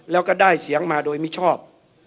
แล้วก็ได้เสียงมาโดยมิชอบ